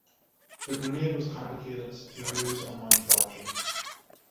The grenade was complicated to use and manufacture.